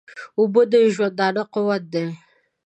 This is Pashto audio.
اوبه د ژوندانه قوت دي